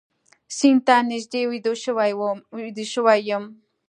سیند ته نږدې ویده شوی یم